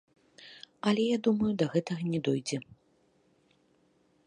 Але я думаю, да гэтага не дойдзе.